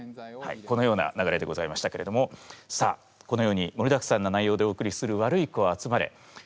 はいこのような流れでございましたけれどもさあこのようにもりだくさんな内容でお送りする「ワルイコあつまれ」。